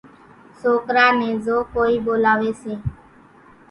سوڪرا نين زو ڪونئين ٻولاوي سي